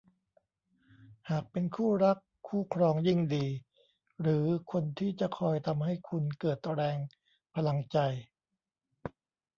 หากเป็นคู่รักคู่ครองยิ่งดี หรือคนที่จะคอยทำให้คุณเกิดแรงพลังใจ